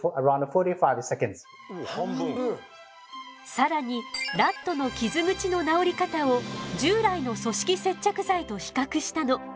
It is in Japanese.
更にラットの傷口の治り方を従来の組織接着剤と比較したの。